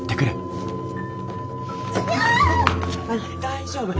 大丈夫。